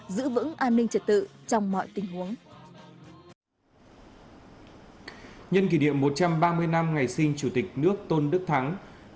giữ vững an ninh trật tự trong mọi tình huống